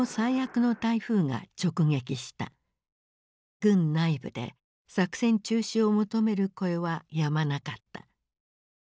軍内部で作戦中止を求める声はやまなかった。